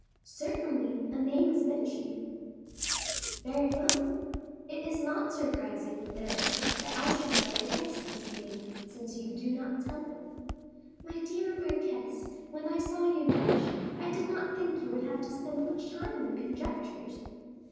"Certainly, a name is mentioned." "Very well; it is not surprising, then, that I should try to guess this name, since you do not tell it." "My dear marquise, when I saw you blush, I did not think you would have to spend much time in conjectures."